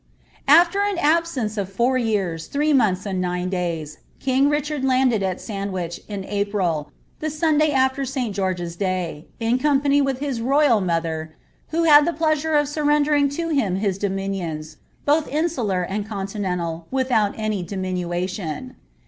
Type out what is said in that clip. After an absence of four years, three months, and nine days, king Richard landed at Sandwich, in April, the Sunday after St George's day, ia company with his royal mother, who had the pleasure of surrendering to him his donunions, both insular and continental, without diminution.